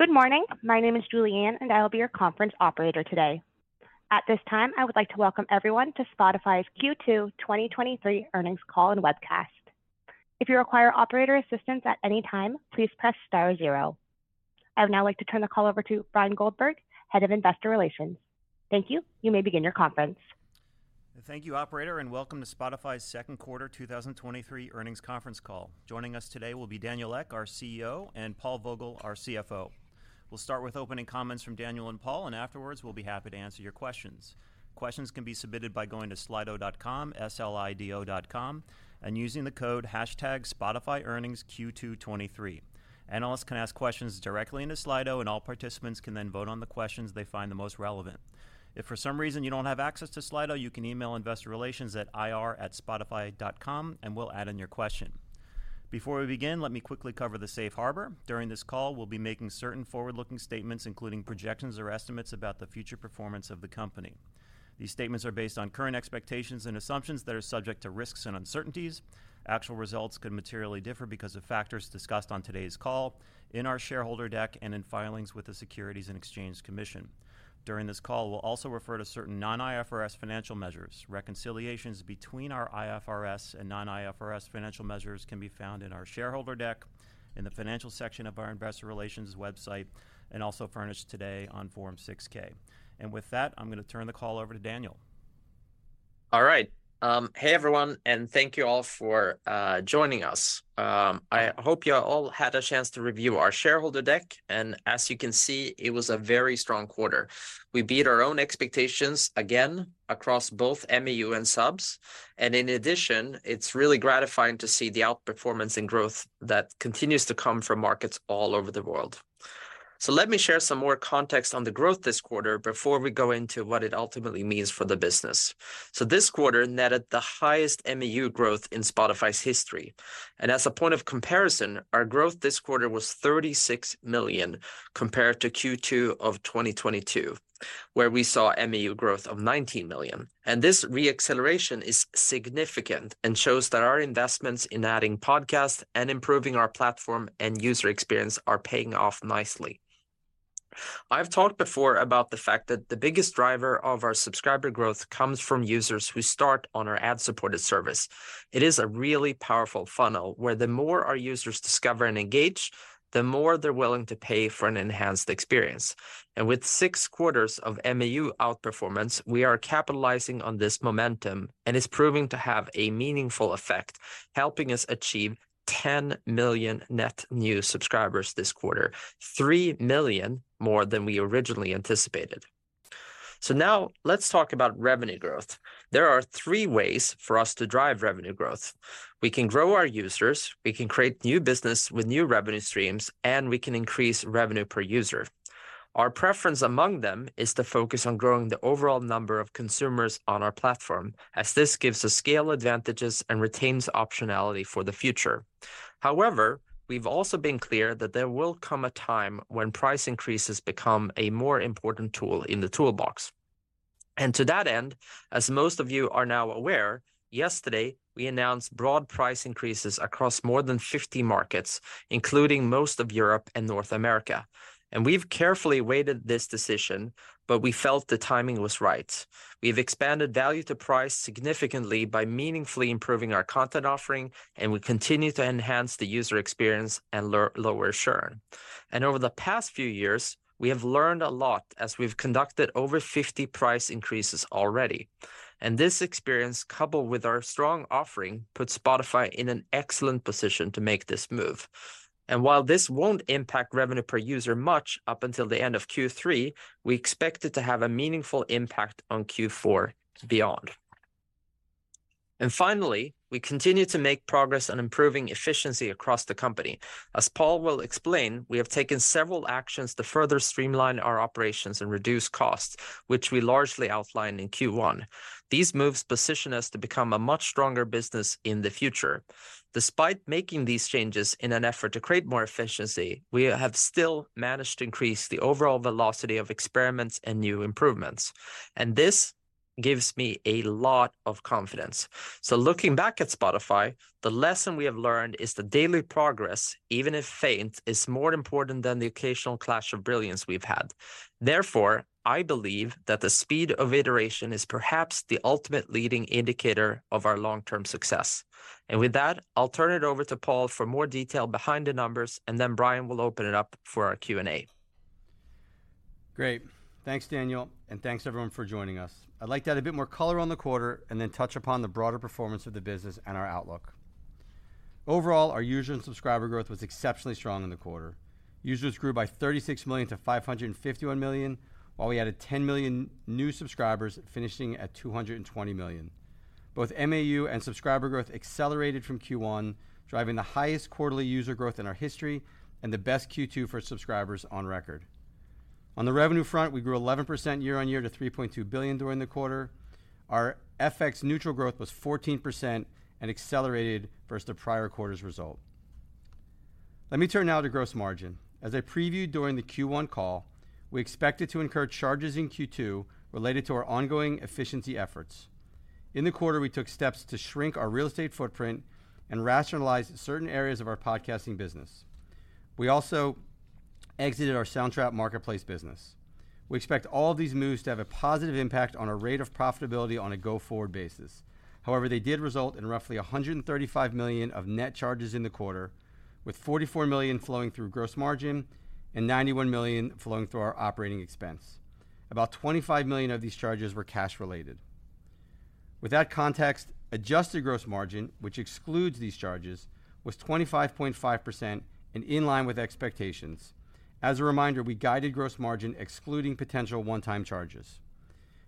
Good morning. My name is Julianne, and I will be your conference operator today. At this time, I would like to welcome everyone to Spotify's Q2 2023 Earnings Call and Webcast. If you require operator assistance at any time, please press star zero. I would now like to turn the call over to Bryan Goldberg, Head of Investor Relations. Thank you. You may begin your conference. Thank you, operator, and welcome to Spotify's Second Quarter 2023 Earnings Conference Call. Joining us today will be Daniel Ek, our CEO, and Paul Vogel, our CFO. We'll start with opening comments from Daniel and Paul. Afterwards, we'll be happy to answer your questions. Questions can be submitted by going to slido.com, S-L-I-D-O dot com, and using the code hashtag SpotifyEarningsQ223. Analysts can ask questions directly into Slido. All participants can then vote on the questions they find the most relevant. If for some reason you don't have access to Slido, you can email Investor Relations at ir@spotify.com. We'll add in your question. Before we begin, let me quickly cover the Safe Harbor. During this call, we'll be making certain forward-looking statements, including projections or estimates about the future performance of the company. These statements are based on current expectations and assumptions that are subject to risks and uncertainties. Actual results could materially differ because of factors discussed on today's call, in our shareholder deck, and in filings with the Securities and Exchange Commission. During this call, we'll also refer to certain non-IFRS financial measures. Reconciliations between our IFRS and non-IFRS financial measures can be found in our shareholder deck, in the Financial section of our Investor Relations website, and also furnished today on Form 6-K. With that, I'm going to turn the call over to Daniel. All right. Hey, everyone, thank you all for joining us. I hope you all had a chance to review our shareholder deck, as you can see, it was a very strong quarter. We beat our own expectations again across both MAU and subs, in addition, it's really gratifying to see the outperformance and growth that continues to come from markets all over the world. Let me share some more context on the growth this quarter before we go into what it ultimately means for the business. This quarter netted the highest MAU growth in Spotify's history, as a point of comparison, our growth this quarter was 36 million, compared to Q2 of 2022, where we saw MAU growth of 19 million. This re-acceleration is significant and shows that our investments in adding podcasts and improving our platform and user experience are paying off nicely. I've talked before about the fact that the biggest driver of our subscriber growth comes from users who start on our ad-supported service. It is a really powerful funnel, where the more our users discover and engage, the more they're willing to pay for an enhanced experience. With six quarters of MAU outperformance, we are capitalizing on this momentum, and it's proving to have a meaningful effect, helping us achieve 10 million net new subscribers this quarter, three million more than we originally anticipated. Now let's talk about revenue growth. There are three ways for us to drive revenue growth: We can grow our users, we can create new business with new revenue streams, and we can increase revenue per user. Our preference among them is to focus on growing the overall number of consumers on our platform, as this gives us scale advantages and retains optionality for the future. However, we've also been clear that there will come a time when price increases become a more important tool in the toolbox. To that end, as most of you are now aware, yesterday, we announced broad price increases across more than 50 markets, including most of Europe and North America. We've carefully weighted this decision, but we felt the timing was right. We've expanded value to price significantly by meaningfully improving our content offering, and we continue to enhance the user experience and lower churn. Over the past few years, we have learned a lot as we've conducted over 50 price increases already. This experience, coupled with our strong offering, puts Spotify in an excellent position to make this move. While this won't impact revenue per user much up until the end of Q3, we expect it to have a meaningful impact on Q4 beyond. Finally, we continue to make progress on improving efficiency across the company. As Paul will explain, we have taken several actions to further streamline our operations and reduce costs, which we largely outlined in Q1. These moves position us to become a much stronger business in the future. Despite making these changes in an effort to create more efficiency, we have still managed to increase the overall velocity of experiments and new improvements, and this gives me a lot of confidence. Looking back at Spotify, the lesson we have learned is the daily progress, even if faint, is more important than the occasional clash of brilliance we've had. Therefore, I believe that the speed of iteration is perhaps the ultimate leading indicator of our long-term success. With that, I'll turn it over to Paul for more detail behind the numbers, and then Bryan will open it up for our Q&A. Thanks, Daniel, thanks, everyone, for joining us. I'd like to add a bit more color on the quarter and then touch upon the broader performance of the business and our outlook. Overall, our user and subscriber growth was exceptionally strong in the quarter. Users grew by 36 million to 551 million, while we added 10 million new subscribers, finishing at 220 million. Both MAU and subscriber growth accelerated from Q1, driving the highest quarterly user growth in our history and the best Q2 for subscribers on record. On the revenue front, we grew 11% year-on-year to 3.2 billion during the quarter. Our FX neutral growth was 14% and accelerated versus the prior quarter's result. Let me turn now to gross margin. As I previewed during the Q1 call, we expected to incur charges in Q2 related to our ongoing efficiency efforts. In the quarter, we took steps to shrink our real estate footprint and rationalize certain areas of our podcasting business. We also exited our Soundtrap Marketplace business. We expect all of these moves to have a positive impact on our rate of profitability on a go-forward basis. However, they did result in roughly 135 million of net charges in the quarter, with 44 million flowing through gross margin and 91 million flowing through our operating expense. About 25 million of these charges were cash related. With that context, adjusted gross margin, which excludes these charges, was 25.5% and in line with expectations. As a reminder, we guided gross margin excluding potential one-time charges.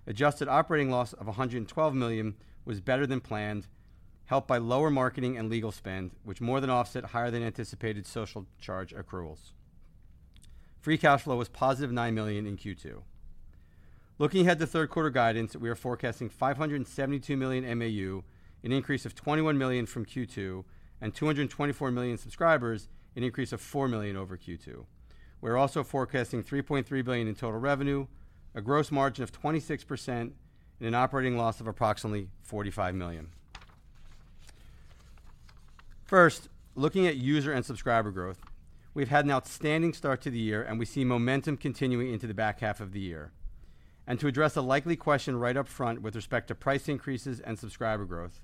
Adjusted operating loss of 112 million was better than planned, helped by lower marketing and legal spend, which more than offset higher than anticipated social charge accruals. Free cash flow was positive 9 million in Q2. Looking ahead to third quarter guidance, we are forecasting 572 million MAU, an increase of 21 million from Q2, and 224 million subscribers, an increase of four million over Q2. We're also forecasting 3.3 billion in total revenue, a gross margin of 26% and an operating loss of approximately 45 million. First, looking at user and subscriber growth, we've had an outstanding start to the year, and we see momentum continuing into the back half of the year. To address a likely question right up front with respect to price increases and subscriber growth,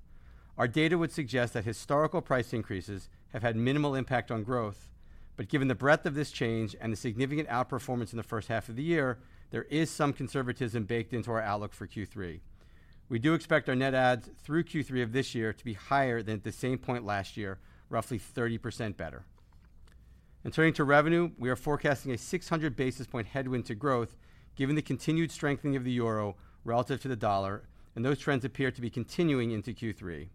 our data would suggest that historical price increases have had minimal impact on growth, but given the breadth of this change and the significant outperformance in the first half of the year, there is some conservatism baked into our outlook for Q3. We do expect our net adds through Q3 of this year to be higher than at the same point last year, roughly 30% better. Turning to revenue, we are forecasting a 600 basis point headwind to growth, given the continued strengthening of the euro relative to the dollar, and those trends appear to be continuing into Q3.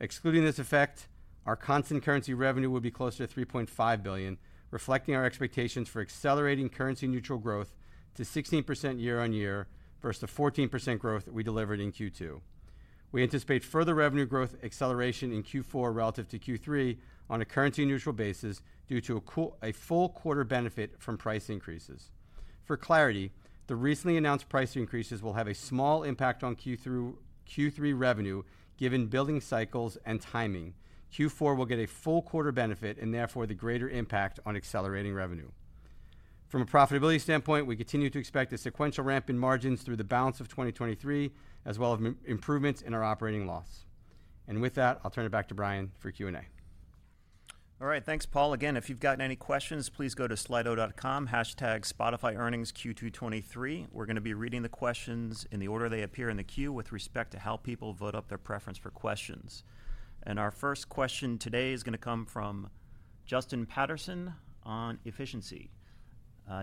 Excluding this effect, our constant currency revenue will be closer to 3.5 billion, reflecting our expectations for accelerating currency-neutral growth to 16% year-on-year versus the 14% growth we delivered in Q2. We anticipate further revenue growth acceleration in Q4 relative to Q3 on a currency-neutral basis due to a full quarter benefit from price increases. For clarity, the recently announced price increases will have a small impact on Q through Q3 revenue, given billing cycles and timing. Q4 will get a full quarter benefit and therefore the greater impact on accelerating revenue. From a profitability standpoint, we continue to expect a sequential ramp in margins through the balance of 2023, as well as improvements in our operating loss. With that, I'll turn it back to Bryan for Q&A. All right, thanks, Paul. Again, if you've gotten any questions, please go to slido.com, hashtag SpotifyEarningsQ223. We're going to be reading the questions in the order they appear in the queue, with respect to how people vote up their preference for questions. Our first question today is going to come from Justin Patterson on efficiency.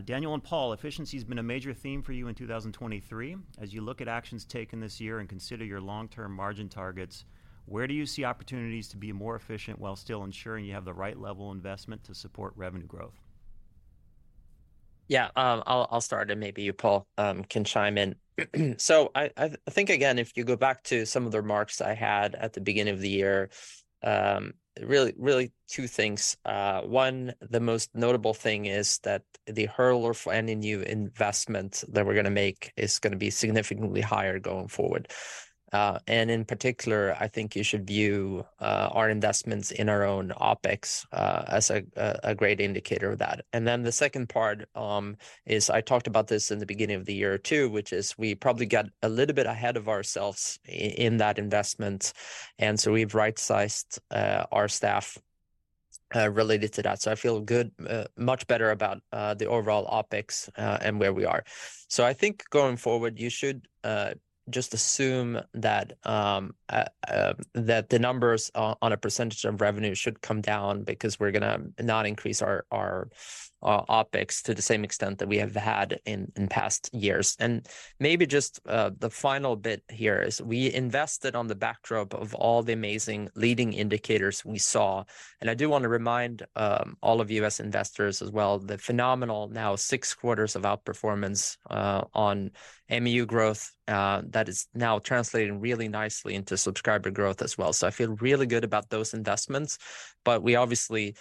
"Daniel and Paul, efficiency has been a major theme for you in 2023. As you look at actions taken this year and consider your long-term margin targets, where do you see opportunities to be more efficient while still ensuring you have the right level of investment to support revenue growth? Yeah, I'll start and maybe you, Paul, can chime in. I think, again, if you go back to some of the remarks I had at the beginning of the year, really two things. One, the most notable thing is that the hurdle for any new investment that we're going to make is going to be significantly higher going forward. In particular, I think you should view our investments in our own OpEx as a great indicator of that. The second part is I talked about this in the beginning of the year, too, which is we probably got a little bit ahead of ourselves in that investment, and so we've right-sized our staff related to that. I feel good, much better about the overall OpEx and where we are. I think going forward, you should just assume that the numbers on a percentage of revenue should come down because we're going to not increase our OpEx to the same extent that we have had in past years. Maybe just the final bit here is we invested on the backdrop of all the amazing leading indicators we saw. I do want to remind all of you as investors as well, the phenomenal now six quarters of outperformance on MAU growth that is now translating really nicely into subscriber growth as well. I feel really good about those investments, but we obviously,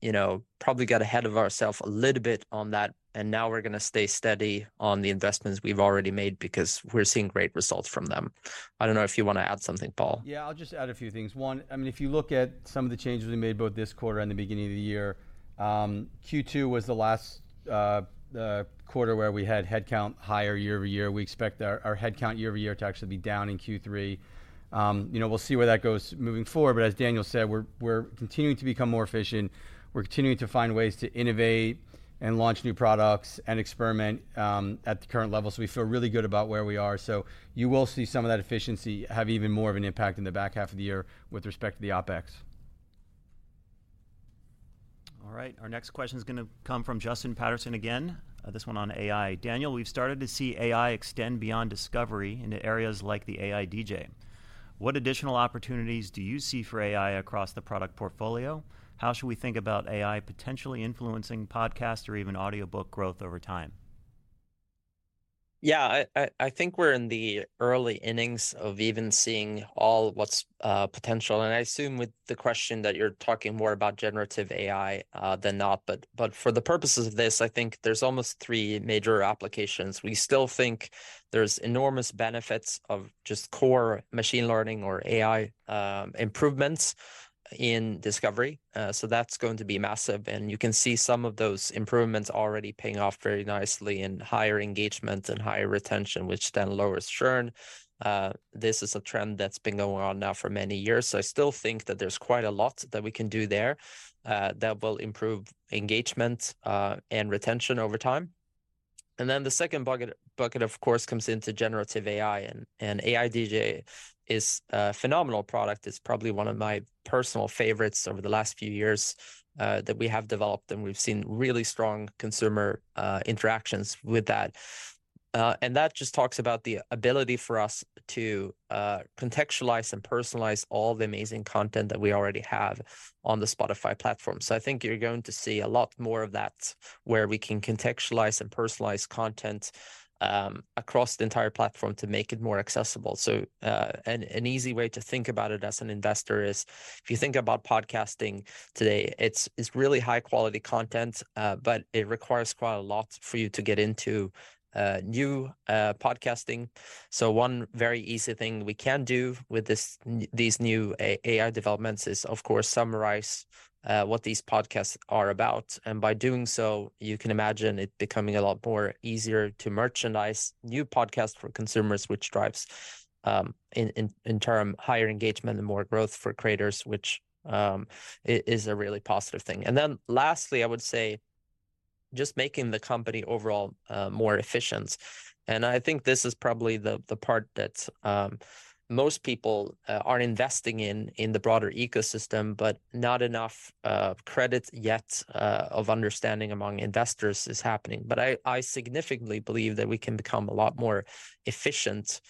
you know, probably got ahead of ourselves a little bit on that, and now we're going to stay steady on the investments we've already made because we're seeing great results from them. I don't know if you want to add something, Paul. Yeah, I'll just add a few things. One, I mean, if you look at some of the changes we made both this quarter and the beginning of the year, Q2 was the last quarter where we had headcount higher year-over-year. We expect our headcount year-over-year to actually be down in Q3. You know, we'll see where that goes moving forward, but as Daniel said, we're continuing to become more efficient. We're continuing to find ways to innovate and launch new products and experiment at the current level. We feel really good about where we are. You will see some of that efficiency have even more of an impact in the back half of the year with respect to the OpEx. All right. Our next question is going to come from Justin Patterson again, this one on AI. "Daniel, we've started to see AI extend beyond discovery into areas like the AI DJ. What additional opportunities do you see for AI across the product portfolio? How should we think about AI potentially influencing podcast or even audiobook growth over time? Yeah, I think we're in the early innings of even seeing all what's potential. I assume with the question, that you're talking more about generative AI than not. For the purposes of this, I think there's almost three major applications. We still think there's enormous benefits of just core machine learning or AI improvements in discovery. That's going to be massive, and you can see some of those improvements already paying off very nicely in higher engagement and higher retention, which then lowers churn. This is a trend that's been going on now for many years, so I still think that there's quite a lot that we can do there that will improve engagement and retention over time. Then the second bucket, of course, comes into generative AI, and AI DJ is a phenomenal product. It's probably one of my personal favorites over the last few years, that we have developed, and we've seen really strong consumer interactions with that. And that just talks about the ability for us to contextualize and personalize all the amazing content that we already have on the Spotify platform. I think you're going to see a lot more of that, where we can contextualize and personalize content, across the entire platform to make it more accessible. An easy way to think about it as an investor is, if you think about podcasting today, it's really high-quality content, but it requires quite a lot for you to get into new podcasting. One very easy thing we can do with this, these new AI developments is, of course, summarize what these podcasts are about. By doing so, you can imagine it becoming a lot more easier to merchandise new podcasts for consumers, which drives in turn, higher engagement and more growth for creators, which is a really positive thing. Lastly, I would say, just making the company overall more efficient. I think this is probably the part that most people aren't investing in the broader ecosystem, but not enough credit yet of understanding among investors is happening. I significantly believe that we can become a lot more efficient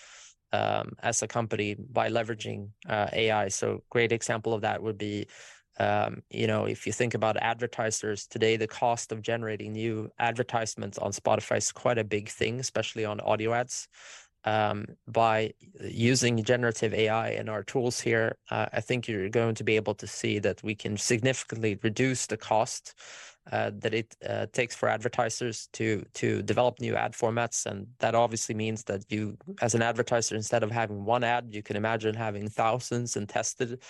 as a company by leveraging AI. Great example of that would be, you know, if you think about advertisers today, the cost of generating new advertisements on Spotify is quite a big thing, especially on audio ads. By using generative AI and our tools here, I think you're going to be able to see that we can significantly reduce the cost that it takes for advertisers to develop new ad formats. That obviously means that you, as an advertiser, instead of having one ad, you can imagine having thousands and tested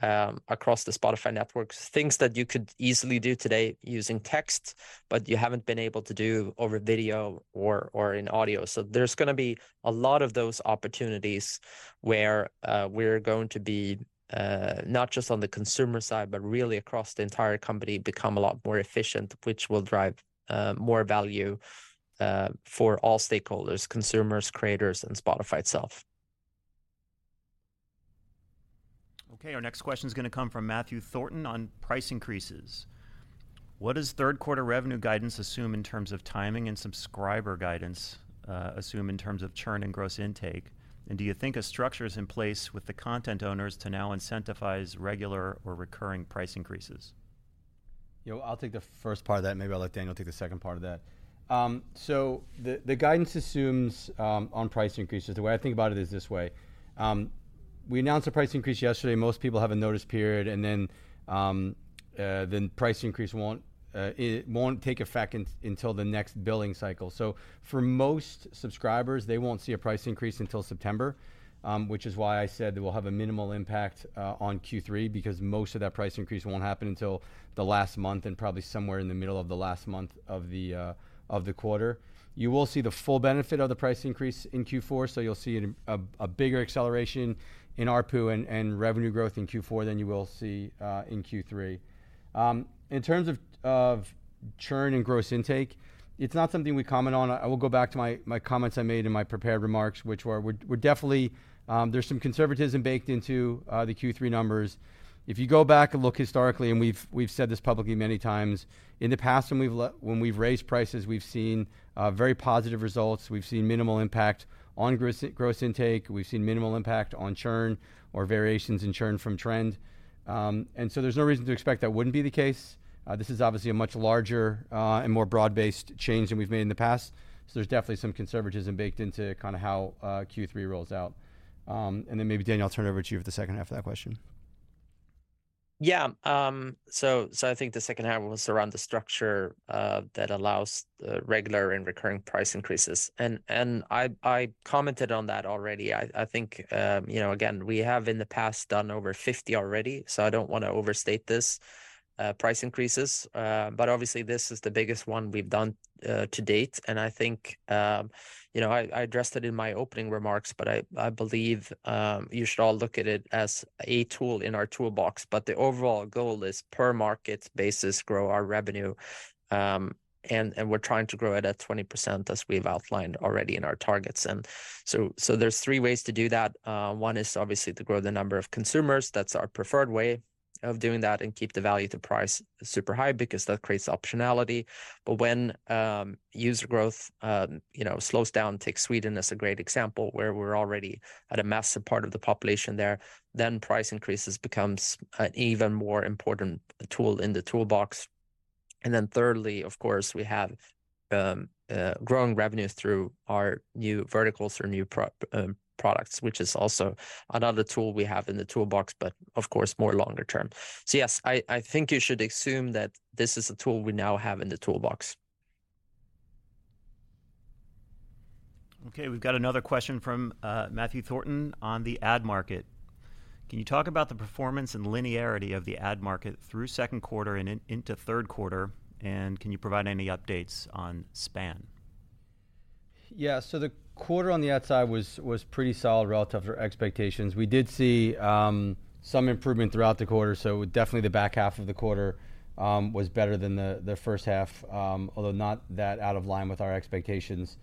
across the Spotify network. Things that you could easily do today using text, but you haven't been able to do over video or in audio. There's gonna be a lot of those opportunities where we're going to be not just on the consumer side, but really across the entire company, become a lot more efficient, which will drive more value for all stakeholders, consumers, creators, and Spotify itself. Okay, our next question is going to come from Matt Thornton on price increases: What does third quarter revenue guidance assume in terms of timing and subscriber guidance assume in terms of churn and gross intake? Do you think a structure is in place with the content owners to now incentivize regular or recurring price increases? You know, I'll take the first part of that. Maybe I'll let Daniel take the second part of that. The guidance assumes on price increases, the way I think about it is this way: We announced a price increase yesterday. Most people have a notice period. Then price increase it won't take effect until the next billing cycle. For most subscribers, they won't see a price increase until September, which is why I said it will have a minimal impact on Q3, because most of that price increase won't happen until the last month and probably somewhere in the middle of the last month of the quarter. You will see the full benefit of the price increase in Q4, you'll see it in a bigger acceleration in ARPU and revenue growth in Q4 than you will see in Q3. In terms of churn and gross intake, it's not something we comment on. I will go back to my comments I made in my prepared remarks, which were: we're definitely, There's some conservatism baked into the Q3 numbers. If you go back and look historically, we've said this publicly many times, in the past, when we've raised prices, we've seen very positive results. We've seen minimal impact on gross intake. We've seen minimal impact on churn or variations in churn from trend. There's no reason to expect that wouldn't be the case. This is obviously a much larger, and more broad-based change than we've made in the past, so there's definitely some conservatism baked into kind of how, Q3 rolls out. Maybe, Daniel, I'll turn it over to you for the second half of that question. Yeah, so I think the second half was around the structure that allows the regular and recurring price increases, and I commented on that already. I think, you know, again, we have in the past done over 50 already, so I don't want to overstate this price increases, but obviously this is the biggest one we've done to date. I think, you know, I addressed it in my opening remarks, but I believe, you should all look at it as a tool in our toolbox. The overall goal is, per market basis, grow our revenue, and we're trying to grow it at 20%, as we've outlined already in our targets. There's three ways to do that. One is obviously to grow the number of consumers. That's our preferred way of doing that, and keep the value to price super high, because that creates optionality. When user growth, you know, slows down, take Sweden as a great example, where we're already at a massive part of the population there, then price increases becomes an even more important tool in the toolbox. Thirdly, of course, we have growing revenue through our new verticals or new products, which is also another tool we have in the toolbox, but of course, more longer term. Yes, I think you should assume that this is a tool we now have in the toolbox. Okay, we've got another question from Matt Thornton on the ad market: "Can you talk about the performance and linearity of the ad market through second quarter and into third quarter, and can you provide any updates on SPAN? The quarter on the ad side was pretty solid relative to expectations. We did see some improvement throughout the quarter, definitely the back half of the quarter was better than the first half, although not that out of line with our expectations.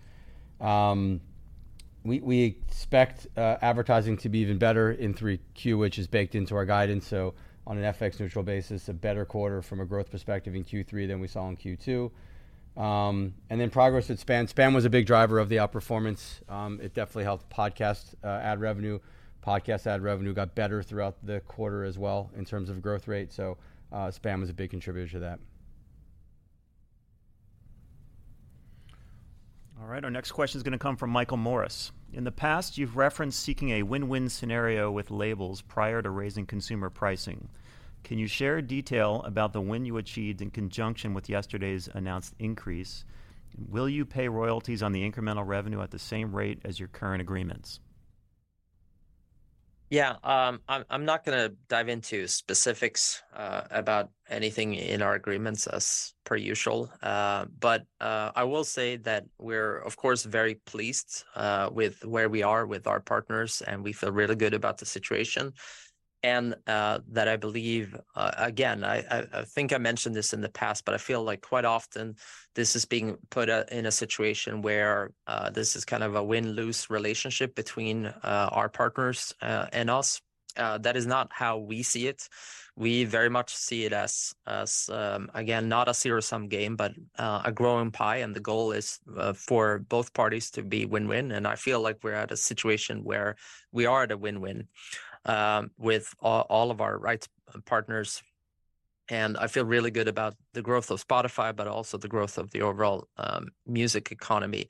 We expect advertising to be even better in 3Q, which is baked into our guidance, on an FX neutral basis, a better quarter from a growth perspective in Q3 than we saw in Q2. Progress at SPAN. SPAN was a big driver of the outperformance, it definitely helped podcast ad revenue. Podcast ad revenue got better throughout the quarter as well in terms of growth rate, SPAN was a big contributor to that. Our next question is going to come from Michael Morris: "In the past, you've referenced seeking a win-win scenario with labels prior to raising consumer pricing. Can you share a detail about the win you achieved in conjunction with yesterday's announced increase? Will you pay royalties on the incremental revenue at the same rate as your current agreements? Yeah, I'm not going to dive into specifics about anything in our agreements, as per usual, but I will say that we're, of course, very pleased with where we are with our partners, and we feel really good about the situation. That I believe, again, I think I mentioned this in the past, but I feel like quite often this is being put in a situation where this is kind of a win-lose relationship between our partners and us. That is not how we see it. We very much see it as again, not a zero-sum game, but a growing pie, and the goal is for both parties to be win-win, and I feel like we're at a situation where we are at a win-win with all of our rights partners. I feel really good about the growth of Spotify, but also the growth of the overall music economy.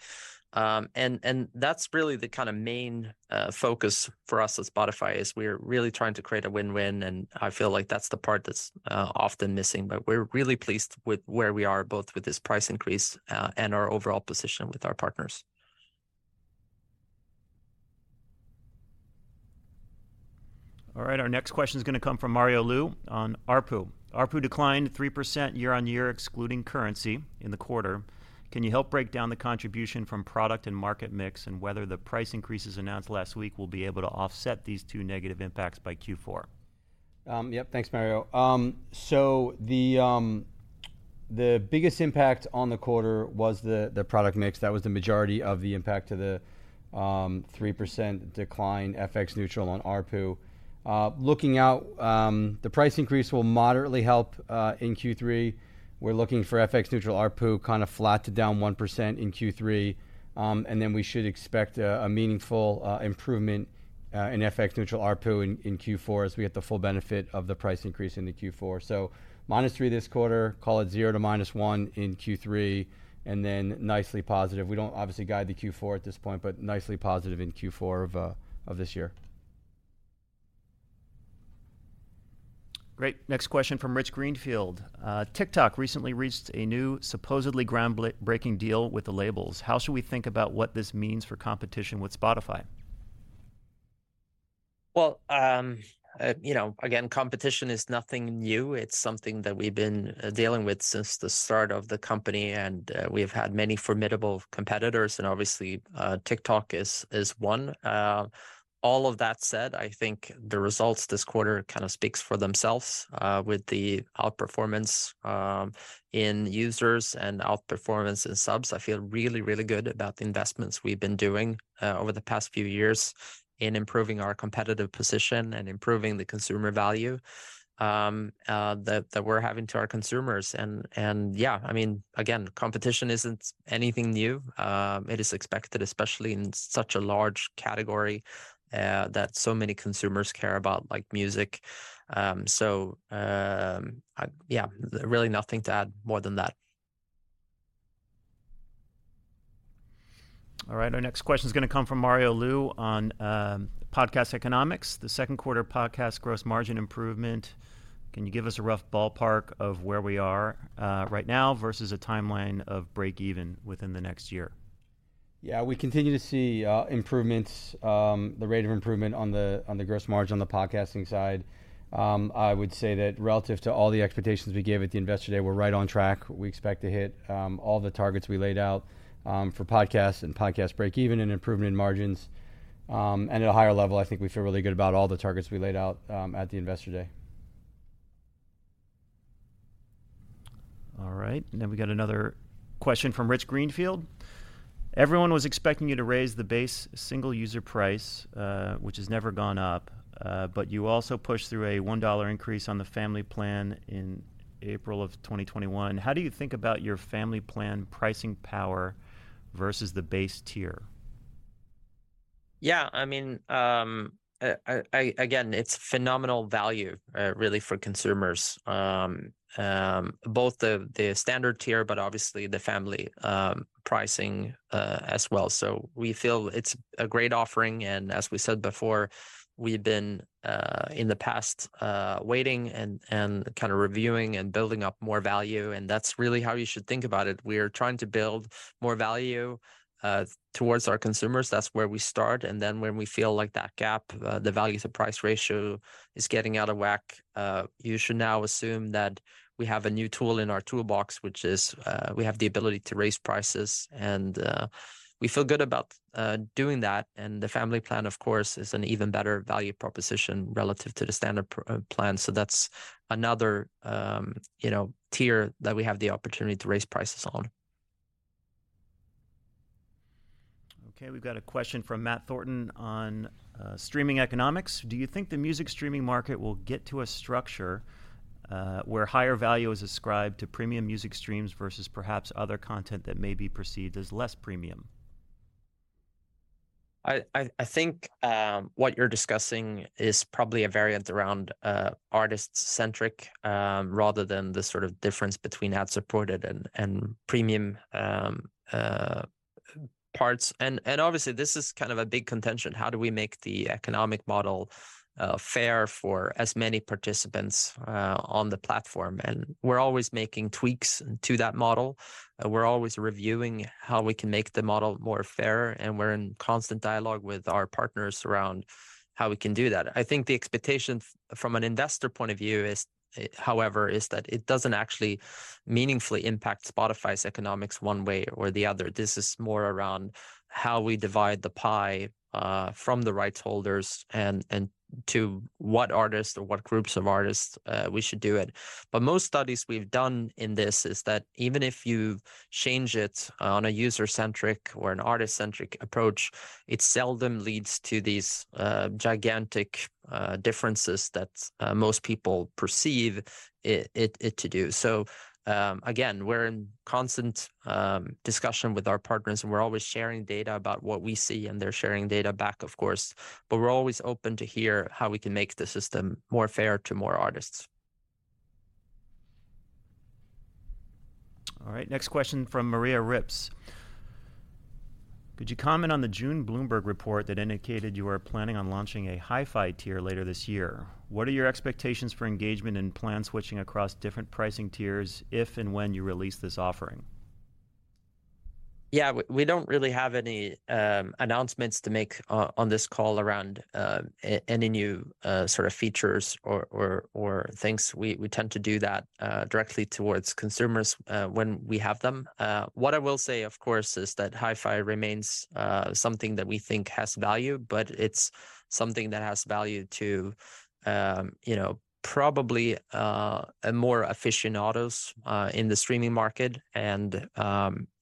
That's really the kind of main focus for us at Spotify, is we're really trying to create a win-win, and I feel like that's the part that's often missing. We're really pleased with where we are, both with this price increase and our overall position with our partners. All right, our next question is going to come from Mario Lu on ARPU. "ARPU declined 3% year-on-year, excluding currency in the quarter. Can you help break down the contribution from product and market mix, and whether the price increases announced last week will be able to offset these two negative impacts by Q4? Yep. Thanks, Mario. The biggest impact on the quarter was the product mix. That was the majority of the impact to the 3% decline, FX neutral on ARPU. Looking out, the price increase will moderately help in Q3. We're looking for FX neutral ARPU, kind of flat to down 1% in Q3, and then we should expect a meaningful improvement in FX neutral ARPU in Q4, as we get the full benefit of the price increase into Q4. Minus 3% this quarter, call it zero to -1% in Q3, and then nicely positive. We don't obviously guide the Q4 at this point, but nicely positive in Q4 of this year. Great. Next question from Rich Greenfield: "TikTok recently reached a new, supposedly groundbreaking deal with the labels. How should we think about what this means for competition with Spotify? Well, you know, again, competition is nothing new. It's something that we've been dealing with since the start of the company, and we've had many formidable competitors, and obviously, TikTok is one. All of that said, I think the results this quarter kind of speaks for themselves, with the outperformance in users and outperformance in subs. I feel really, really good about the investments we've been doing over the past few years in improving our competitive position and improving the consumer value that we're having to our consumers. Yeah, I mean, again, competition isn't anything new. It is expected, especially in such a large category that so many consumers care about, like music. Yeah, really nothing to add more than that. All right, our next question is going to come from Mario Lu on podcast economics. "The second quarter podcast gross margin improvement, can you give us a rough ballpark of where we are right now versus a timeline of break even within the next year? Yeah, we continue to see improvements, the rate of improvement on the gross margin on the podcasting side. I would say that relative to all the expectations we gave at the Investor Day, we're right on track. We expect to hit all the targets we laid out for podcasts and podcast break even, and improvement in margins. At a higher level, I think we feel really good about all the targets we laid out at the Investor Day. All right, we got another question from Rich Greenfield: "Everyone was expecting you to raise the base single-user price, which has never gone up, but you also pushed through a $1 increase on the family plan in April 2021. How do you think about your family plan pricing power versus the base tier? Yeah, I mean, again, it's phenomenal value really for consumers. Both the standard tier, but obviously the family pricing as well. We feel it's a great offering. As we said before, we've been in the past waiting and kind of reviewing and building up more value. That's really how you should think about it. We're trying to build more value towards our consumers. That's where we start. Then when we feel like that gap, the value to price ratio is getting out of whack, you should now assume that we have a new tool in our toolbox, which is, we have the ability to raise prices. We feel good about doing that. The family plan, of course, is an even better value proposition relative to the standard plan. That's another, you know, tier that we have the opportunity to raise prices on. Okay, we've got a question from Matt Thornton on, streaming economics: Do you think the music streaming market will get to a structure, where higher value is ascribed to premium music streams versus perhaps other content that may be perceived as less premium? I think what you're discussing is probably a variant around artist-centric rather than the sort of difference between ad-supported and premium parts. Obviously, this is kind of a big contention: How do we make the economic model fair for as many participants on the platform? We're always making tweaks to that model, and we're always reviewing how we can make the model more fairer, and we're in constant dialogue with our partners around how we can do that. I think the expectation from an investor point of view is, however, is that it doesn't actually meaningfully impact Spotify's economics one way or the other. This is more around how we divide the pie from the rights holders and to what artists or what groups of artists we should do it. Most studies we've done in this is that even if you change it, on a user-centric or an artist-centric approach, it seldom leads to these gigantic differences that most people perceive it to do. Again, we're in constant discussion with our partners, and we're always sharing data about what we see, and they're sharing data back, of course, but we're always open to hear how we can make the system more fair to more artists. All right, next question from Maria Ripps: Could you comment on the June Bloomberg report that indicated you are planning on launching a HiFi tier later this year? What are your expectations for engagement and plan switching across different pricing tiers, if and when you release this offering? Yeah, we don't really have any announcements to make on this call around any new sort of features or things. We tend to do that directly towards consumers when we have them. What I will say, of course, is that HiFi remains something that we think has value, but it's something that has value to, you know, probably a more aficionados in the streaming market.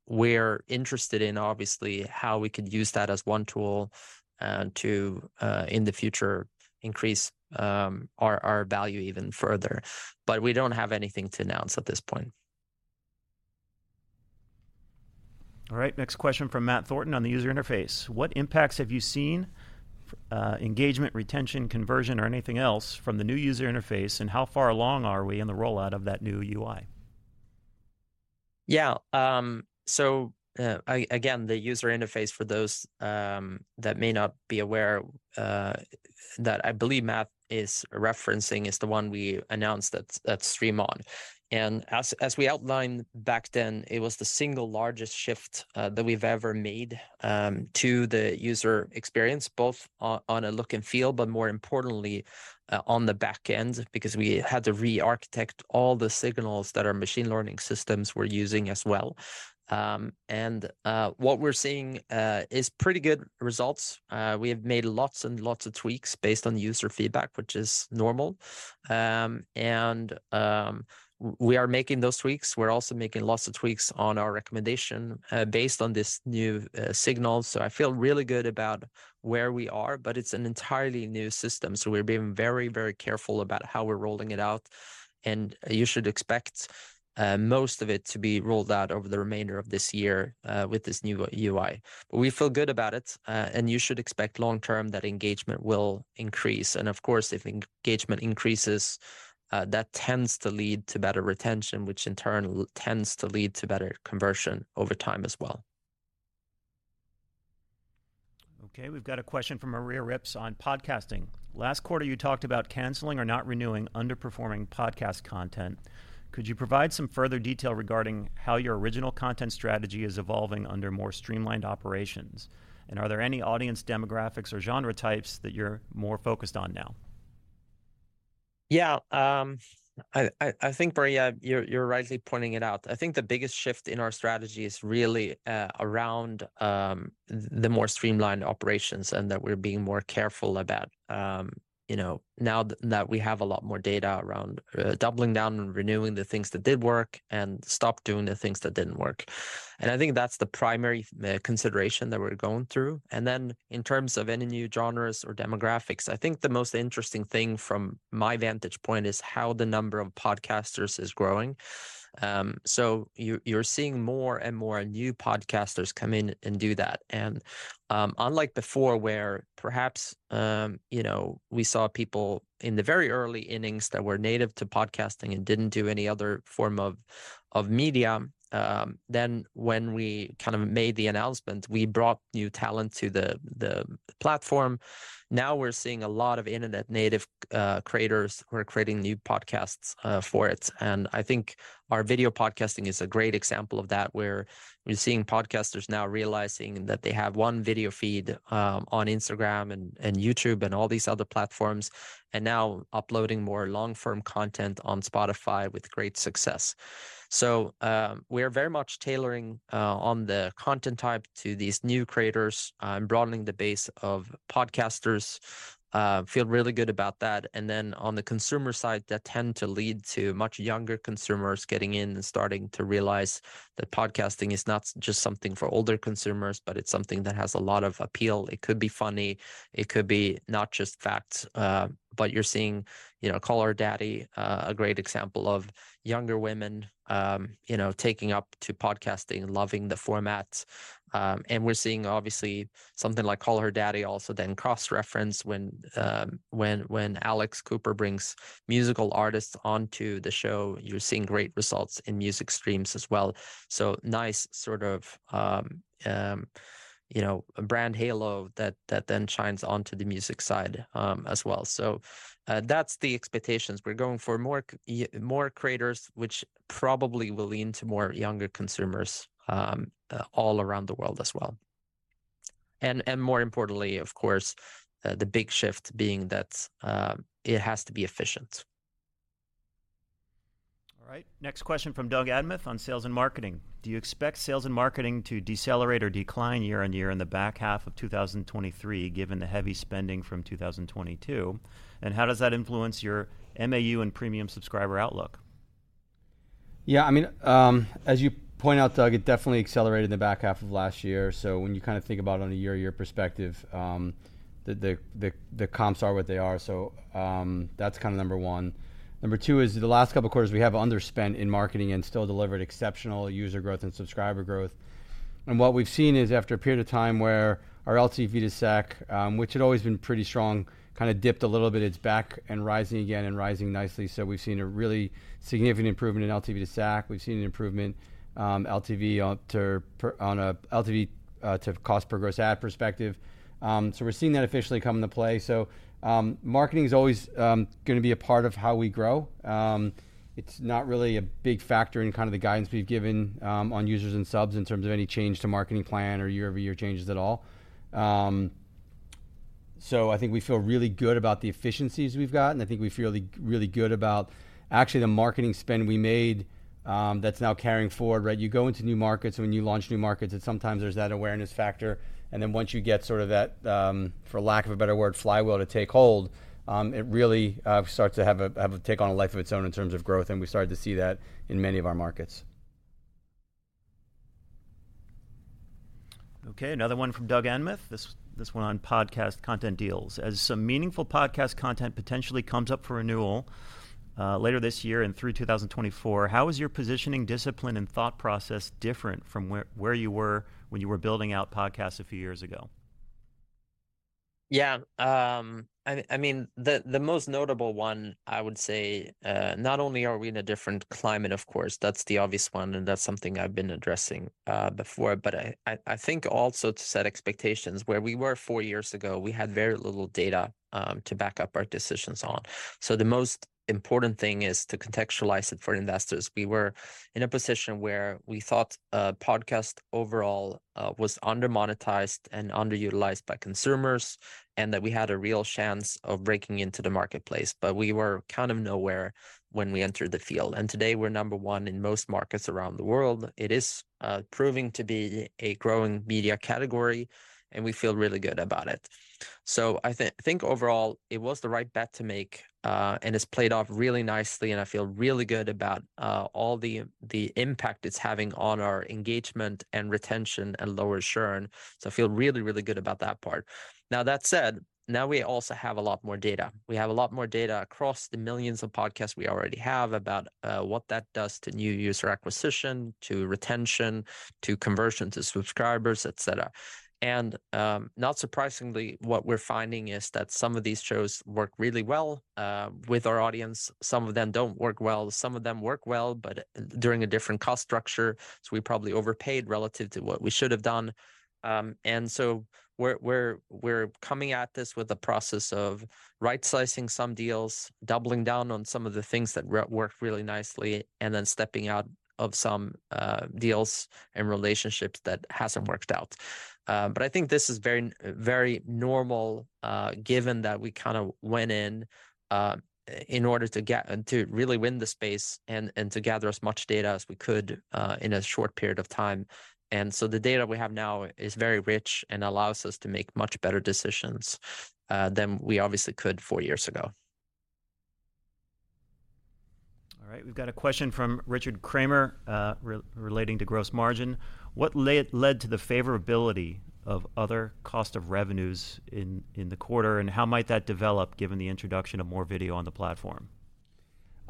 We're interested in obviously how we could use that as one tool to in the future, increase our value even further. We don't have anything to announce at this point. All right, next question from Matt Thornton on the user interface: What impacts have you seen, engagement, retention, conversion, or anything else from the new user interface, and how far along are we in the rollout of that new UI? Yeah, again, the user interface, for those that may not be aware that I believe Matt is referencing, is the one we announced at Stream On. As we outlined back then, it was the single largest shift that we've ever made to the user experience, both on a look and feel, but more importantly on the back end, because we had to rearchitect all the signals that our machine learning systems were using as well. What we're seeing is pretty good results. We have made lots and lots of tweaks based on user feedback, which is normal. We are making those tweaks. We're also making lots of tweaks on our recommendation based on this new signal. I feel really good about where we are, but it's an entirely new system, so we're being very careful about how we're rolling it out, and you should expect most of it to be rolled out over the remainder of this year with this new UI. We feel good about it, and you should expect long term that engagement will increase. Of course, if engagement increases, that tends to lead to better retention, which in turn tends to lead to better conversion over time as well. Okay, we've got a question from Maria Ripps on podcasting: Last quarter, you talked about canceling or not renewing underperforming podcast content. Could you provide some further detail regarding how your original content strategy is evolving under more streamlined operations? Are there any audience demographics or genre types that you're more focused on now? Yeah, I think, Maria, you're rightly pointing it out. I think the biggest shift in our strategy is really around the more streamlined operations, and that we're being more careful about, you know, now that we have a lot more data around doubling down and renewing the things that did work, and stop doing the things that didn't work. I think that's the primary consideration that we're going through. Then in terms of any new genres or demographics, I think the most interesting thing from my vantage point is how the number of podcasters is growing. You're seeing more and more new podcasters come in and do that. Unlike before, where perhaps, you know, we saw people in the very early innings that were native to podcasting and didn't do any other form of media, then when we kind of made the announcement, we brought new talent to the platform. Now we're seeing a lot of internet-native creators who are creating new podcasts for it. I think our video podcasting is a great example of that, where we're seeing podcasters now realizing that they have one video feed on Instagram and YouTube, and all these other platforms, and now uploading more long-form content on Spotify with great success. We're very much tailoring on the content type to these new creators and broadening the base of podcasters. Feel really good about that. On the consumer side, that tend to lead to much younger consumers getting in and starting to realize that podcasting is not just something for older consumers, but it's something that has a lot of appeal. It could be funny, it could be not just facts, but you're seeing, you know, Call Her Daddy, a great example of younger women, you know, taking up to podcasting and loving the format. And we're seeing, obviously, something like Call Her Daddy also then cross-reference when Alex Cooper brings musical artists onto the show, you're seeing great results in music streams as well. Nice sort of, you know, brand halo that then shines onto the music side as well. That's the expectations. We're going for more creators, which probably will lean to more younger consumers, all around the world as well. More importantly, of course, the big shift being that, it has to be efficient. All right. Next question from Doug Anmuth on sales and marketing: Do you expect sales and marketing to decelerate or decline year-over-year in the back half of 2023, given the heavy spending from 2022? How does that influence your MAU and premium subscriber outlook? Yeah, I mean, as you point out, Doug, it definitely accelerated in the back half of last year. When you kind of think about it on a year-over-year perspective, the comps are what they are, that's kind of number one. Number two is, the last couple of quarters, we have underspent in marketing and still delivered exceptional user growth and subscriber growth. What we've seen is, after a period of time where our LTV to SAC, which had always been pretty strong, kinda dipped a little bit, it's back and rising again, and rising nicely. We've seen a really significant improvement in LTV to SAC. We've seen an improvement, LTV on a LTV to cost per gross ad perspective. We're seeing that officially come into play. Marketing is always gonna be a part of how we grow. It's not really a big factor in kind of the guidance we've given on users and subs, in terms of any change to marketing plan or year-over-year changes at all. I think we feel really good about the efficiencies we've gotten. I think we feel really good about actually the marketing spend we made that's now carrying forward, right? You go into new markets, and when you launch new markets, and sometimes there's that awareness factor, and then once you get sort of that, for lack of a better word, flywheel to take hold, it really starts to have a take on a life of its own in terms of growth, and we started to see that in many of our markets. Okay, another one from Doug Anmuth, this one on podcast content deals: As some meaningful podcast content potentially comes up for renewal, later this year and through 2024, how is your positioning discipline and thought process different from where you were when you were building out podcasts a few years ago? Yeah, I mean, the most notable one, I would say, not only are we in a different climate, of course, that's the obvious one, and that's something I've been addressing, before. I think also to set expectations, where we were four years ago, we had very little data to back up our decisions on. The most important thing is to contextualize it for investors. We were in a position where we thought, podcast overall, was under-monetized and underutilized by consumers, and that we had a real chance of breaking into the marketplace. We were kind of nowhere when we entered the field, and today we're number one in most markets around the world. It is proving to be a growing media category, and we feel really good about it. I think overall, it was the right bet to make, and it's played off really nicely, and I feel really good about all the impact it's having on our engagement and retention and lower churn. I feel really good about that part. That said, now we also have a lot more data. We have a lot more data across the millions of podcasts we already have, about what that does to new user acquisition, to retention, to conversion, to subscribers, et cetera. not surprisingly, what we're finding is that some of these shows work really well with our audience. Some of them don't work well. Some of them work well, but during a different cost structure, so we probably overpaid relative to what we should have done. We're coming at this with a process of right-sizing some deals, doubling down on some of the things that work really nicely, and then stepping out of some deals and relationships that haven't worked out. I think this is very, very normal, given that we kind of went in, in order to really win the space and to gather as much data as we could in a short period of time. The data we have now is very rich and allows us to make much better decisions than we obviously could four years ago. All right, we've got a question from Richard Kramer, relating to gross margin: What led to the favorability of other cost of revenues in the quarter, and how might that develop, given the introduction of more video on the platform?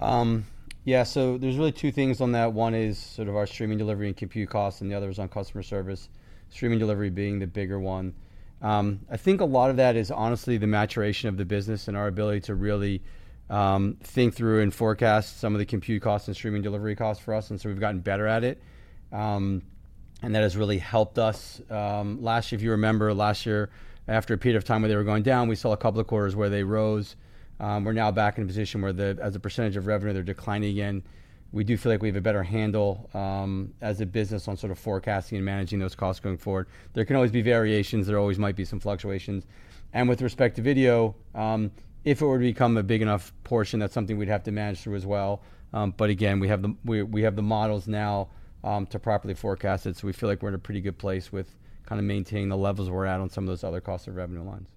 Yeah, there's really two things on that. One is sort of our streaming delivery and compute costs, and the other is on customer service. Streaming delivery being the bigger one. I think a lot of that is honestly the maturation of the business and our ability to really think through and forecast some of the compute costs and streaming delivery costs for us, and so we've gotten better at it. That has really helped us. If you remember last year, after a period of time where they were going down, we saw a couple of quarters where they rose. We're now back in a position where as a percentage of revenue, they're declining again. We do feel like we have a better handle as a business on sort of forecasting and managing those costs going forward. There can always be variations. There always might be some fluctuations. With respect to video, if it were to become a big enough portion, that's something we'd have to manage through as well. Again, we have the—we have the models now, to properly forecast it, so we feel like we're in a pretty good place with kind of maintaining the levels we're at on some of those other cost of revenue lines.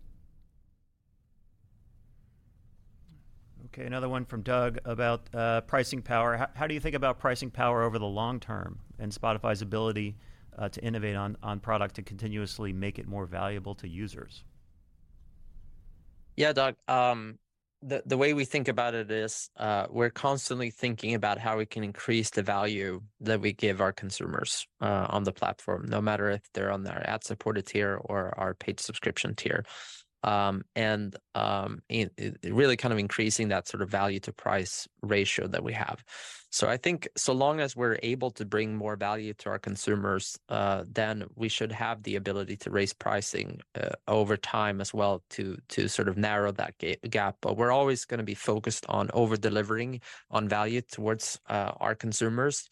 Okay, another one from Doug about pricing power. How do you think about pricing power over the long term, and Spotify's ability to innovate on product and continuously make it more valuable to users? Yeah, Doug, the way we think about it is, we're constantly thinking about how we can increase the value that we give our consumers on the platform, no matter if they're on our ad-supported tier or our paid subscription tier. It really kind of increasing that sort of value to price ratio that we have. I think so long as we're able to bring more value to our consumers, then we should have the ability to raise pricing over time as well to sort of narrow that gap. We're always going to be focused on over-delivering on value towards our consumers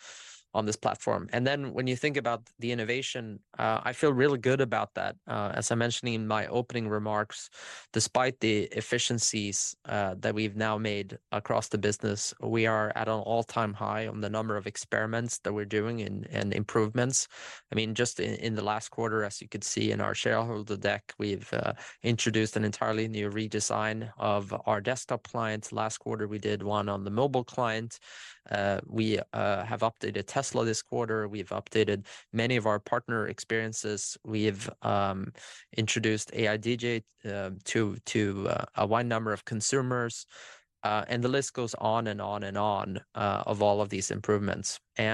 on this platform. When you think about the innovation, I feel really good about that. As I mentioned in my opening remarks, despite the efficiencies that we've now made across the business, we are at an all-time high on the number of experiments that we're doing and improvements. I mean, just in the last quarter, as you could see in our shareholder deck, we've introduced an entirely new redesign of our desktop clients. Last quarter, we did one on the mobile client. We have updated Tesla this quarter. We've updated many of our partner experiences. We've introduced AI DJ to a wide number of consumers, and the list goes on and on and on of all of these improvements. You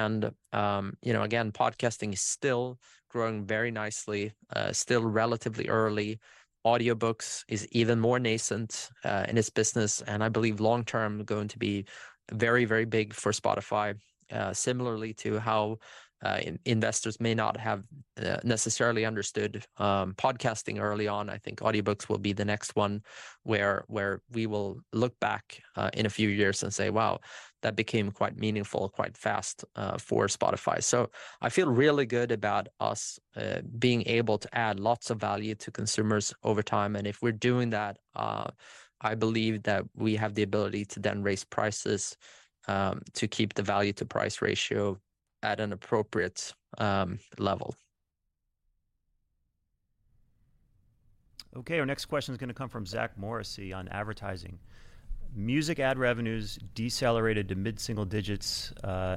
know, again, podcasting is still growing very nicely, still relatively early. Audiobooks is even more nascent in its business, and I believe long term, going to be very big for Spotify. Similarly to how investors may not have necessarily understood podcasting early on, I think audiobooks will be the next one where we will look back in a few years and say, "Wow, that became quite meaningful, quite fast for Spotify." I feel really good about us being able to add lots of value to consumers over time, and if we're doing that, I believe that we have the ability to then raise prices to keep the value to price ratio at an appropriate level. Okay, our next question is going to come from Zach Morrissey on advertising: Music ad revenues decelerated to mid-single digits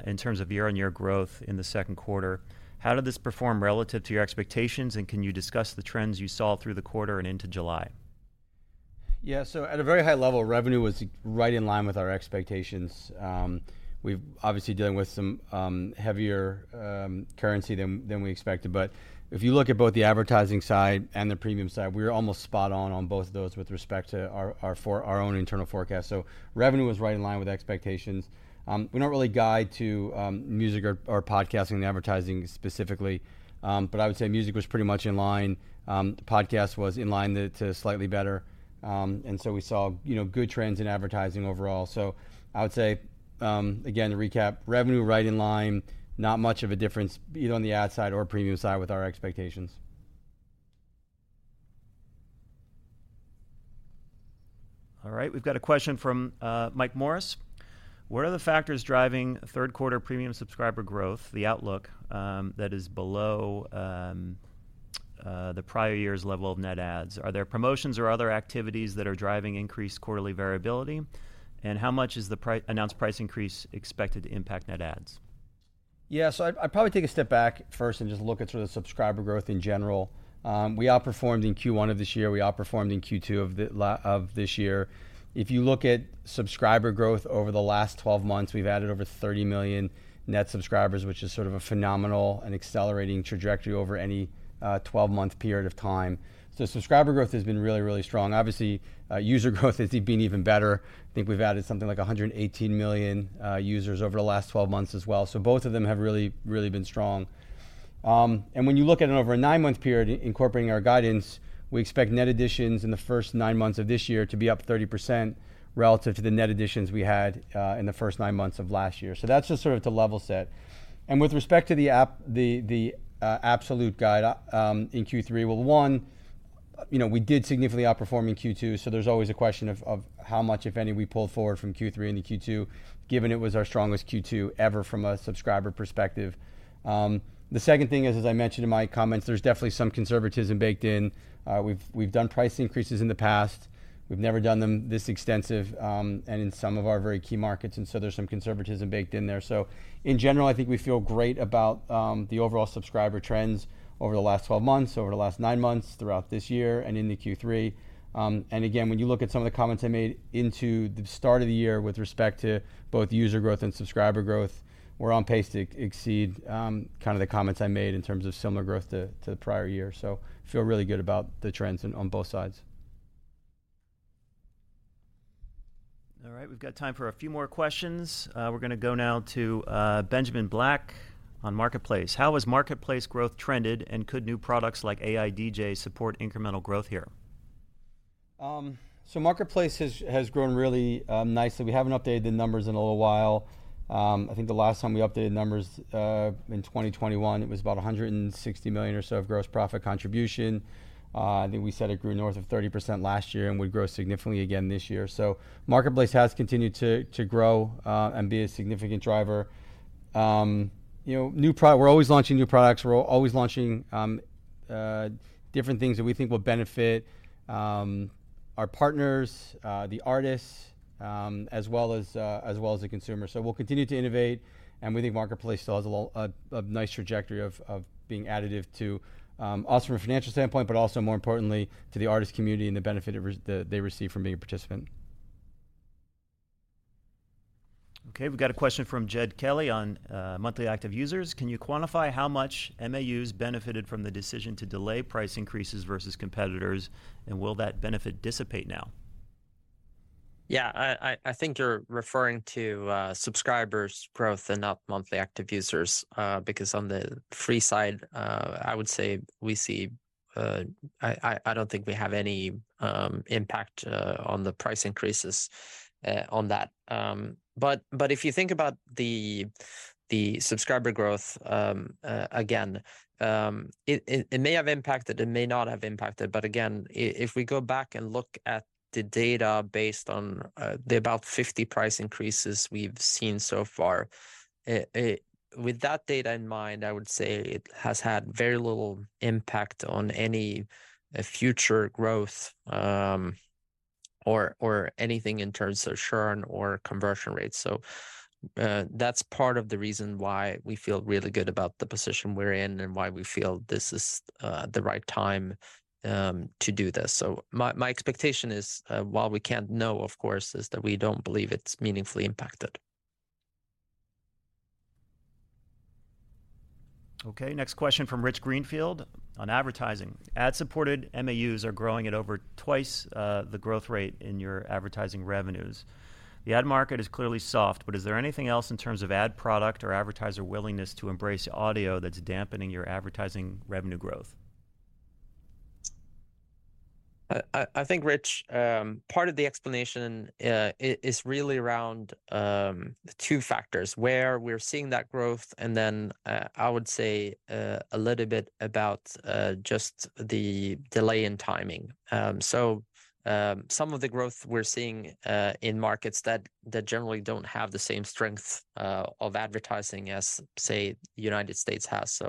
in terms of year-on-year growth in the second quarter. How did this perform relative to your expectations, and can you discuss the trends you saw through the quarter and into July? At a very high level, revenue was right in line with our expectations. We've obviously dealing with some heavier currency than we expected, if you look at both the advertising side and the premium side, we were almost spot on on both of those with respect to our own internal forecast. Revenue was right in line with expectations. We don't really guide to music or podcasting and advertising specifically, I would say music was pretty much in line. Podcast was in line to slightly better. We saw, you know, good trends in advertising overall. I would say, again, to recap, revenue right in line, not much of a difference, either on the ad side or premium side with our expectations. All right, we've got a question from Mike Morris: What are the factors driving third quarter premium subscriber growth, the outlook, that is below the prior year's level of net adds? Are there promotions or other activities that are driving increased quarterly variability? How much is the announced price increase expected to impact net adds? Yeah, I'd probably take a step back first and just look at sort of subscriber growth in general. We outperformed in Q1 of this year. We outperformed in Q2 of this year. If you look at subscriber growth over the last 12 months, we've added over 30 million net subscribers, which is sort of a phenomenal and accelerating trajectory over any 12-month period of time. Subscriber growth has been really, really strong. Obviously, user growth has been even better. I think we've added something like 118 million users over the last 12 months as well, both of them have really, really been strong. When you look at it over a nine-month period, incorporating our guidance, we expect net additions in the first nine months of this year to be up 30% relative to the net additions we had in the first nine months of last year. That's just sort of to level set. With respect to the absolute guide in Q3, you know, we did significantly outperform in Q2, so there's always a question of how much, if any, we pulled forward from Q3 into Q2, given it was our strongest Q2 ever from a subscriber perspective. The second thing is, as I mentioned in my comments, there's definitely some conservatism baked in. We've done price increases in the past. We've never done them this extensive, and in some of our very key markets, there's some conservatism baked in there. In general, I think we feel great about the overall subscriber trends over the last 12 months, over the last nine months, throughout this year, and into Q3. When you look at some of the comments I made into the start of the year with respect to both user growth and subscriber growth, we're on pace to exceed kinda the comments I made in terms of similar growth to the prior year. Feel really good about the trends on both sides. All right, we've got time for a few more questions. We're gonna go now to Benjamin Black on Marketplace. How has Marketplace growth trended, and could new products like AI DJ support incremental growth here? Marketplace has grown really nicely. We haven't updated the numbers in a little while. I think the last time we updated the numbers in 2021, it was about 160 million or so of gross profit contribution. I think we said it grew north of 30% last year, and would grow significantly again this year. Marketplace has continued to grow and be a significant driver. You know, we're always launching new products. We're always launching different things that we think will benefit our partners, the artists, as well as the consumer. We'll continue to innovate, and we think Marketplace still has a nice trajectory of being additive to, also from a financial standpoint, but also more importantly, to the artist community and the benefit that they receive from being a participant. Okay, we've got a question from Jed Kelly on monthly active users. Can you quantify how much MAUs benefited from the decision to delay price increases versus competitors, and will that benefit dissipate now? Yeah, I think you're referring to subscribers' growth and not monthly active users, because on the free side, I would say we see. I don't think we have any impact on the price increases on that. If you think about the subscriber growth, again, it may have impacted, it may not have impacted, but again, if we go back and look at the data based on the about 50 price increases we've seen so far. With that data in mind, I would say it has had very little impact on any future growth or anything in terms of churn or conversion rates. That's part of the reason why we feel really good about the position we're in and why we feel this is the right time to do this. My expectation is, while we can't know, of course, is that we don't believe it's meaningfully impacted. Okay, next question from Rich Greenfield on advertising: ad-supported MAUs are growing at over twice the growth rate in your advertising revenues. The ad market is clearly soft, is there anything else in terms of ad product or advertiser willingness to embrace audio that's dampening your advertising revenue growth? I think, Rich, part of the explanation is really around the two factors, where we're seeing that growth, and then I would say a little bit about just the delay in timing. Some of the growth we're seeing in markets that generally don't have the same strength of advertising as, say, the United States has.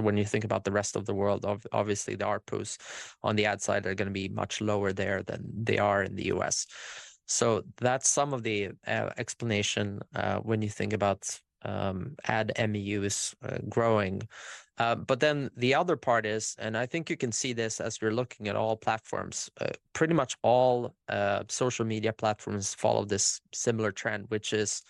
When you think about the rest of the world, obviously, the ARPUs on the ad side are gonna be much lower there than they are in the U.S. That's some of the explanation when you think about ad MAUs growing. The other part is, and I think you can see this as we're looking at all platforms. Pretty much all social media platforms follow this similar trend, which is,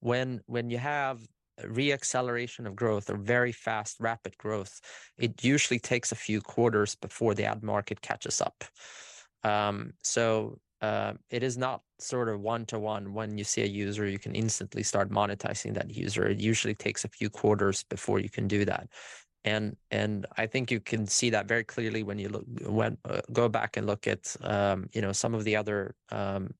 when you have re-acceleration of growth or very fast, rapid growth, it usually takes a few quarters before the ad market catches up. It is not sort of one-to-one. When you see a user, you can instantly start monetizing that user. It usually takes a few quarters before you can do that. And I think you can see that very clearly when you look, when go back and look at, you know, some of the other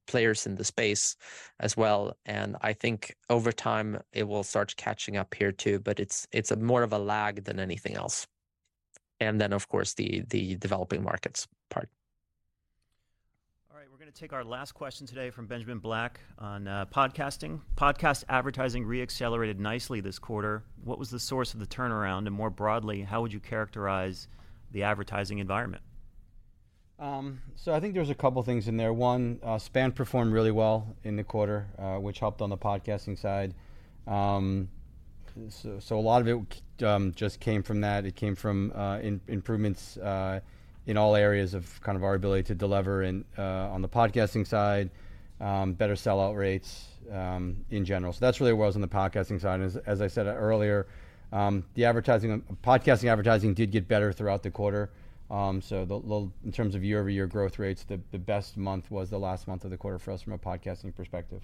players in the space as well. I think over time, it will start catching up here, too, but it's a more of a lag than anything else. Of course, the developing markets part. All right, we're gonna take our last question today from Benjamin Black on podcasting. Podcast advertising re-accelerated nicely this quarter. What was the source of the turnaround, and more broadly, how would you characterize the advertising environment? I think there's a couple of things in there. One, SPAN performed really well in the quarter, which helped on the podcasting side. A lot of it just came from that. It came from improvements in all areas of kind of our ability to deliver on the podcasting side, better sell-out rates in general. That's really where I was on the podcasting side. As I said earlier, the advertising, podcasting advertising did get better throughout the quarter. The—well, in terms of year-over-year growth rates, the best month was the last month of the quarter for us from a podcasting perspective.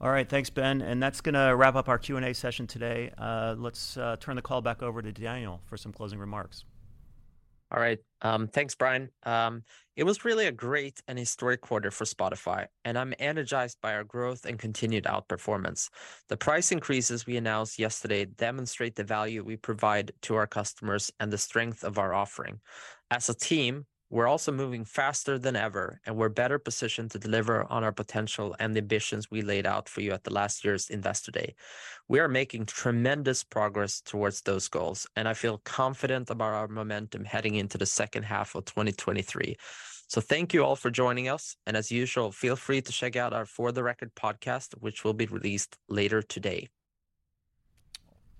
All right. Thanks, Ben. That's gonna wrap up our Q&A session today. Let's turn the call back over to Daniel for some closing remarks. All right. Thanks, Bryan. It was really a great and historic quarter for Spotify, and I'm energized by our growth and continued outperformance. The price increases we announced yesterday demonstrate the value we provide to our customers and the strength of our offering. As a team, we're also moving faster than ever, and we're better positioned to deliver on our potential and the ambitions we laid out for you at the last year's Investor Day. We are making tremendous progress towards those goals, and I feel confident about our momentum heading into the second half of 2023. Thank you all for joining us, and as usual, feel free to check out our For the Record podcast, which will be released later today.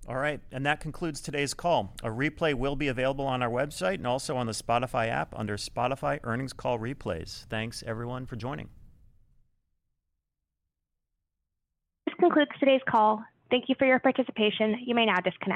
That concludes today's call. A replay will be available on our website and also on the Spotify app under Spotify Earnings Call Replays. Thanks, everyone, for joining. This concludes today's call. Thank you for your participation. You may now disconnect.